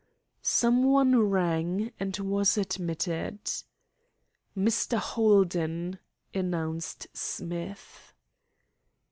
Someone rang, and was admitted. "Mr. Holden," announced Smith.